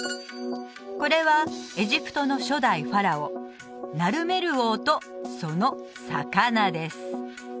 これはエジプトの初代ファラオナルメル王とその魚です